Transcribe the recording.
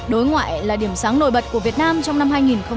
đối ngoại là điểm sáng nổi bật của việt nam trong năm hai nghìn một mươi bảy